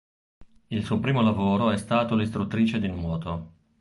Il suo primo lavoro è stato l'istruttrice di nuoto.